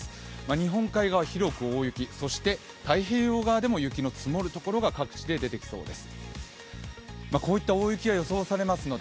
日本海側、広く大雪、そして太平洋側でも雪が積もるところが、各地で出てきそうです。